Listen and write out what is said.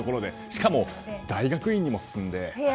しかも、大学院にも進んで。